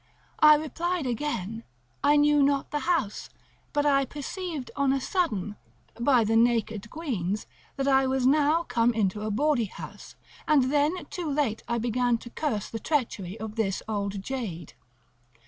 I replied again, I knew not the house; but I perceived, on a sudden, by the naked queans, that I was now come into a bawdy house, and then too late I began to curse the treachery of this old jade.